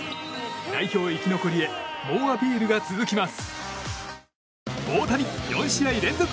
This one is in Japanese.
代表生き残りへ猛アピールが続きます。